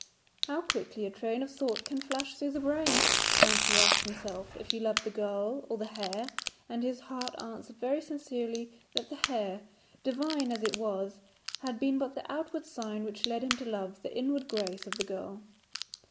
How quickly a train of thought can flash through the brain! Saintou asked himself if he loved the girl or the hair, and his heart answered very sincerely that the hair, divine as it was, had been but the outward sign which led him to love the inward grace of the girl.